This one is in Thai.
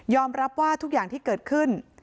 รับว่าทุกอย่างที่เกิดขึ้น